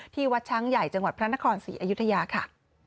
วัดช้างใหญ่จังหวัดพระนครศรีอยุธยาค่ะ